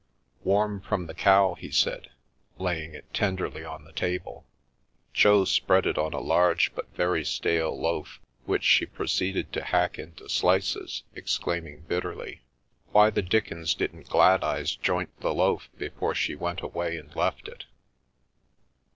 " Warm from the cow," he said, laying it tenderly on the table. Jo spread it on a large, but very stale loaf, which she proceeded to hack into slices, exclaiming bitterly, " Why the dickens didn't Gladeyes joint the loaf before she went away and left it?"